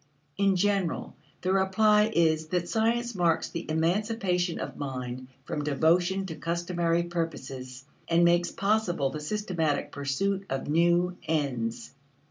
In general, the reply is that science marks the emancipation of mind from devotion to customary purposes and makes possible the systematic pursuit of new ends.